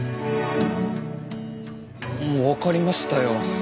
わかりましたよ。